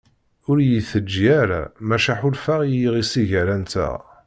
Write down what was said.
Ur iyi-teǧǧi ara maca ḥulfaɣ i yiɣisi gar-anteɣ.